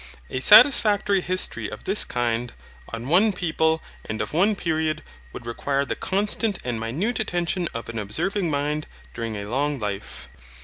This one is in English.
A satisfactory history of this kind, on one people, and of one period, would require the constant and minute attention of an observing mind during a long life.